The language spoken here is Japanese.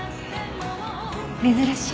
珍しい。